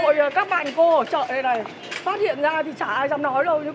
đó là đồng đội các bạn cô ở chợ này này phát hiện ra thì chả ai dám nói đâu